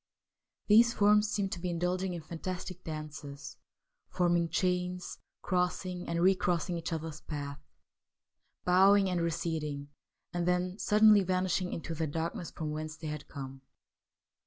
These forms seemed to be indulging in fantastic dances, form, ing chains, crossing and recrossing each other's path, bowing and receding, and then suddenly vanishing into the darkness from whence they had come.